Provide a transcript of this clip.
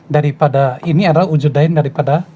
daripada ini adalah wujud lain daripada